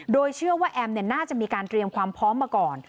โดยเชื่อว่าแอมน่าจะมีการเตรียมความพร้อมมาก่อน